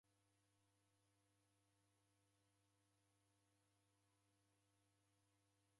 W'eko na maisha ghiboie sana.